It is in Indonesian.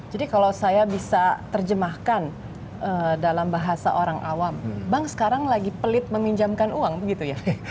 kalau saya bisa terjemahkan dalam bahasa orang awam bank sekarang lagi pelit meminjamkan uang begitu ya